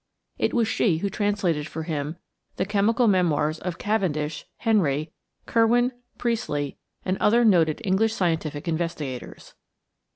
It was she who translated for him the chemical memoirs of Cavendish, Henry, Kirwan, Priestly and other noted English scientific investigators.